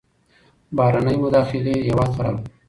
بهرنۍ مداخلې هیواد خرابوي.